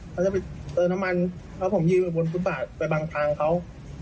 เขาจะไปเติมน้ำมันแล้วผมยืนอยู่บนฟุตบาทไปบังทางเขา